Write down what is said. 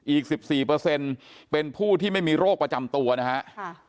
อีก๑๔เป็นผู้ที่ไม่มีโรคประจำตัวนะฮะ